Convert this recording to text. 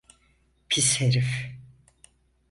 Pis herif!